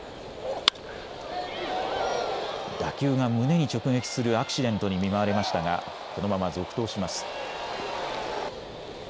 打球が胸に直撃するアクシデントに見舞われましたがこのまま続投します。